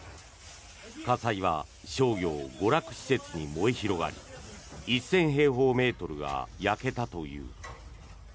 火災は商業・娯楽施設に燃え広がり１０００平方メートルが焼けたという。